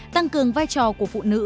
tăng cường vai trò của phụ nữ